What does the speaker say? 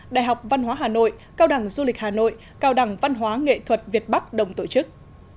đại học văn hóa hà nội cao đẳng du lịch hà nội cao đẳng văn hóa nghệ thuật việt bắc đồng tổ chức